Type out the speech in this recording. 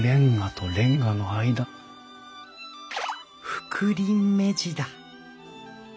覆輪目地だ。